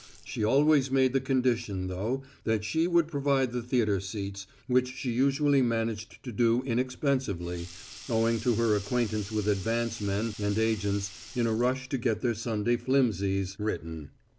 She always made the condition, though, that she would provide the theatre seats, which she usually managed to do inexpensively, owing to her acquaintance with advance men and agents in a rush to get their Sunday flimsies written.